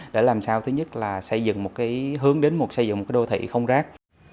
để làm sao thứ nhất là xây dựng một cái hướng đến một xây dựng đô thị không rac